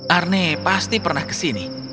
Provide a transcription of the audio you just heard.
arne pasti pernah ke sini